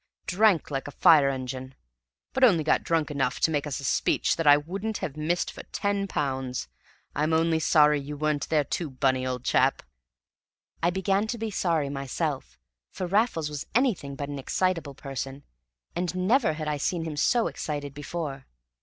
Drank like a fire engine, but only got drunk enough to make us a speech that I wouldn't have missed for ten pounds. I'm only sorry you weren't there, too, Bunny, old chap." I began to be sorry myself, for Raffles was anything but an excitable person, and never had I seen him so excited before.